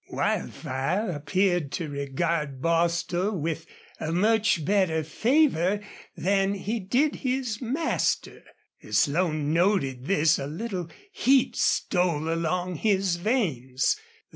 Wildfire appeared to regard Bostil with a much better favor than he did his master. As Slone noted this a little heat stole along his veins.